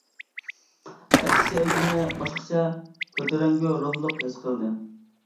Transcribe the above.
ئەكسىچە ئۆزىنى باشقىچە كۆتۈرەڭگۈ، روھلۇق ھېس قىلدى.